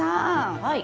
はい。